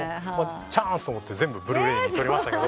チャンスと思って全部ブルーレイにとりました。